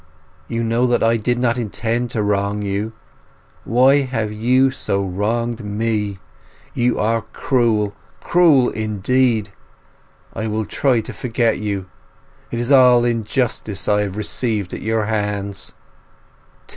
You know that I did not intend to wrong you—why have you so wronged me? You are cruel, cruel indeed! I will try to forget you. It is all injustice I have received at your hands!